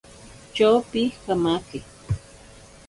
Tyopi kamake.